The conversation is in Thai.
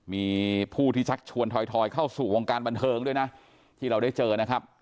มีผู้ที่ชักชวนถอยเข้าสู่วงการบันเทิงด้วยนะที่เราได้เจอนะครับ